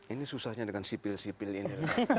ini susahnya dengan sipil sipil ini